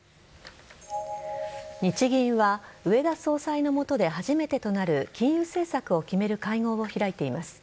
日銀は植田総裁の下で初めてとなる金融政策を決める会合を開いています。